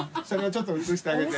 ちょっと映してあげて。